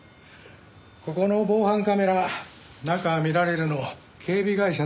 ここの防犯カメラ中を見られるの警備会社だけなんです。